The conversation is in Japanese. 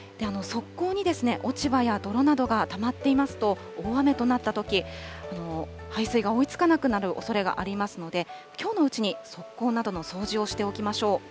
側溝に落ち葉や泥などがたまっていますと、大雨となったとき、排水が追いつかなくなるおそれがありますので、きょうのうちに側溝などの掃除をしておきましょう。